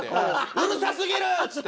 「うるさすぎる！」っつって。